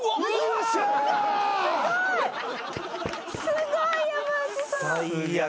すごい山内さん。